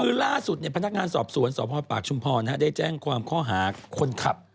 คือล่าสุดพนักงานสอบสวนสพปากชุมพรได้แจ้งความข้อหาคนขับ